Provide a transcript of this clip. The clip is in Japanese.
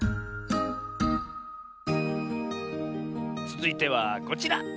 つづいてはこちら。